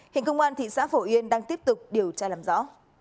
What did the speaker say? hiện công an thị xã phổ yên đang tiếp tục điều tra làm rõ